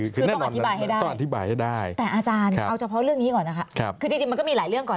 คือต้องอธิบายให้ได้ต้องอธิบายให้ได้แต่อาจารย์เอาเฉพาะเรื่องนี้ก่อนนะคะคือจริงมันก็มีหลายเรื่องก่อน